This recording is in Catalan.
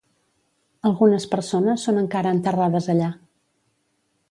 Algunes persones són encara enterrades allà.